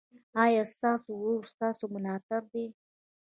ایا ستاسو ورور ستاسو ملاتړ دی؟